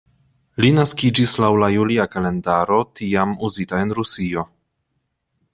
Li naskiĝis la laŭ la julia kalendaro tiam uzita en Rusio.